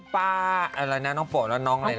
อะไรนะน้องโปรดแล้วน้องอะไรนะ